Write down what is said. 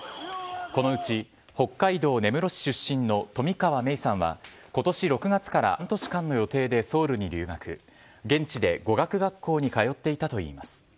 このうち北海道根室市出身の冨川芽生さんは、ことし６月から半年間の予定でソウルに留学、現地で語学学校に通っていたといいます。